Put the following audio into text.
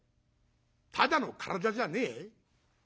「ただの体じゃねえ？